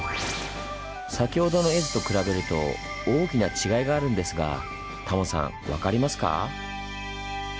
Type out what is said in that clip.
先ほどの絵図と比べると大きな違いがあるんですがタモさん分かりますか？